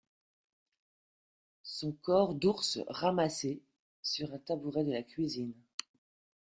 son corps d’ours ramassé sur un tabouret de la cuisine